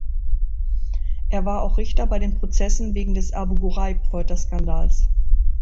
Er war auch Richter bei den Prozessen wegen des Abu-Ghuraib-Folterskandals.